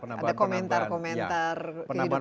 ada komentar komentar kehidupan